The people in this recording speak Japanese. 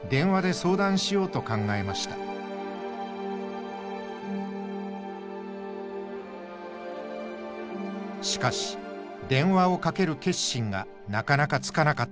しかし電話をかける決心がなかなかつかなかったといいます。